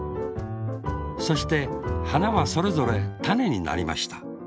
そしてはなはそれぞれたねになりました。